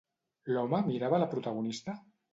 L'home mirava a la protagonista?